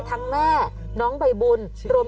เบื้องต้น๑๕๐๐๐และยังต้องมีค่าสับประโลยีอีกนะครับ